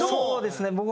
そうですね。